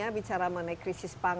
adalah apakah kita